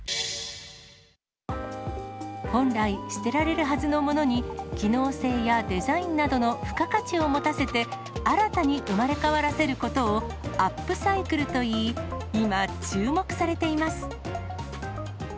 本来、捨てられるはずのものに機能性やデザインなどの付加価値を持たせて、新たに生まれ変わらせることをアップサイクルといい、今、注目されています。